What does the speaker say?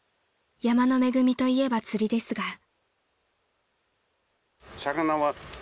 山の恵みと言えば釣りですが］